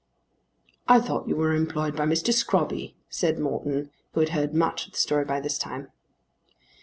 "I thought you were employed by Mr. Scrobby," said Morton, who had heard much of the story by this time.